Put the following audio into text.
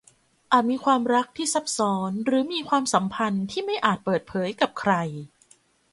อาจจะมีความรักที่ซับซ้อนหรือมีความสัมพันธ์ที่ไม่อาจเปิดเผยกับใคร